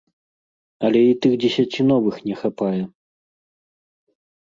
Але і тых дзесяці новых не хапае.